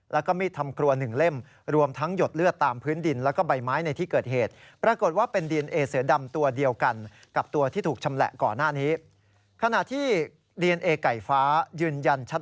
แล้วก็มีดทำกลัว๑เล่ม